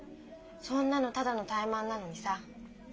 そんなのただの怠慢なのにさ。